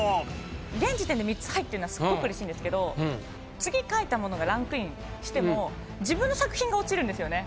現時点で３つ入ってるのはすごく嬉しいんですけど次描いたものがランクインしても自分の作品が落ちるんですよね。